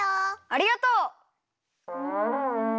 ありがとう。